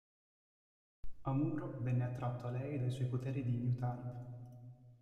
Amuro venne attratto a lei dai suoi poteri di newtype.